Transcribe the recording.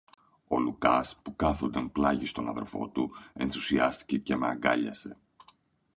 Ο Λουκάς, που κάθουνταν πλάγι στον αδελφό του, ενθουσιάστηκε και με αγκάλιασε.